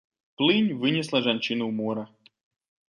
Плынь вынесла жанчыну ў мора.